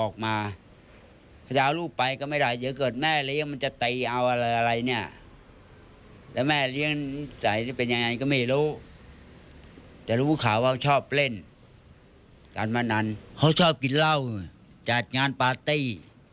การมะนั้นเขาชอบกินเหล้าจัดงานปาร์ตี้